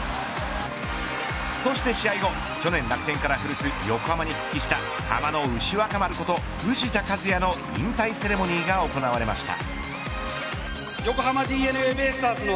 そして試合後、去年楽天から古巣、横浜に復帰したハマの牛若丸こと藤田一也の引退セレモニーが行われました。